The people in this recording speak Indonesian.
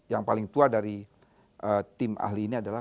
yang paling tua dari tim ahli ini adalah